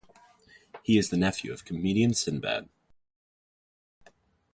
He is the nephew of comedian Sinbad.